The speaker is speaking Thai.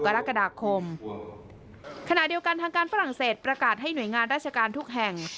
กรกฎาคมขณะเดียวกันทางการฝรั่งเศสประกาศให้หน่วยงานราชการทุกแห่ง